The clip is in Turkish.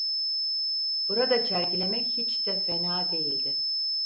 Burada çergilemek hiç de fena değildi.